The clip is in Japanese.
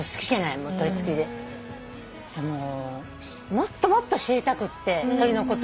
もっともっと知りたくって鳥のこと